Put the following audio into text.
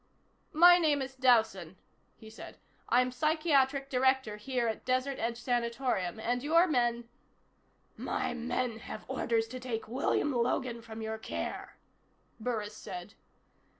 "My name is Dowson," he said. "I'm psychiatric director here at Desert Edge Sanatorium. And your men " "My men have orders to take William Logan from your care," Burris said.